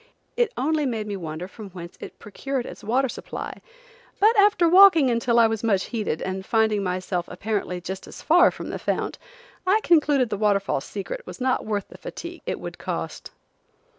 It only made me wonder from whence it procured its water supply, but after walking until I was much heated, and finding myself apparently just as far from the fount, I concluded the waterfall's secret was not worth the fatigue it would cost.